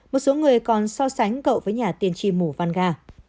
một số người còn so sánh cậu với nhà tiên tri muvanga